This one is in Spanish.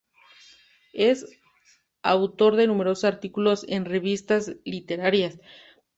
Es autor de numerosos artículos en revistas literarias.